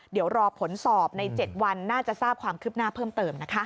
เดี๋ยวรอผลสอบใน๗วันน่าจะทราบความคืบหน้าเพิ่มเติมนะคะ